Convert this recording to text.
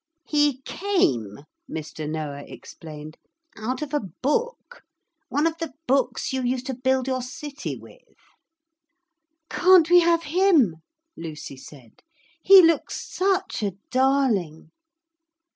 'He came,' Mr. Noah explained, 'out of a book. One of the books you used to build your city with.' 'Can't we have him?' Lucy said; 'he looks such a darling.'